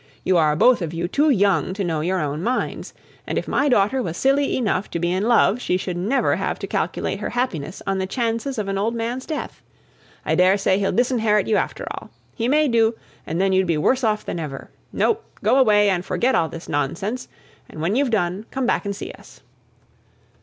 "You are both of you too young to know your own minds; and if my daughter was silly enough to be in love, she should never have to calculate her happiness on the chances of an old man's death. I dare say he'll disinherit you after all. He may do, and then you'd be worse off than ever. No! go away, and forget all this nonsense; and when you've done, come back and see us!"